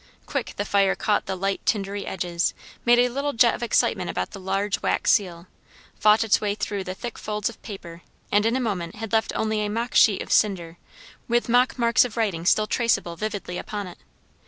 Quick the fire caught the light tindery edges, made a little jet of excitement about the large wax seal, fought its way through the thick folds of paper, and in a moment had left only a mock sheet of cinder, with mock marks of writing still traceable vividly upon it.